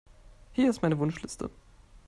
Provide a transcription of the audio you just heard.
Hier ist meine Wunschliste.